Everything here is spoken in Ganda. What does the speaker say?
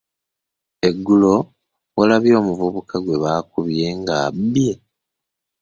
Eggulo walabye omuvubuka gwe baakubye nga abbye?